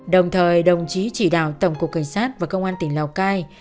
đồng thời đồng chí chỉ đạo tổng cục cảnh sát và công an tỉnh lào cai